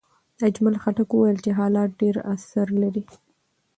اجمل خټک وویل چې حالات ډېر اثر لري.